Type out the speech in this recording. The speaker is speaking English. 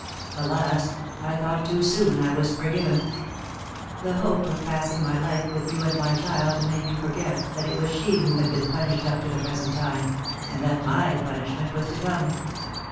Alas! I thought too soon I was forgiven! The hope of passing my life with you and my child made me forget that it was she who had been punished up to the present time, and that my punishment was to come.